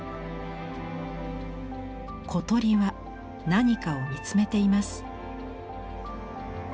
小鳥は何かを見つめています。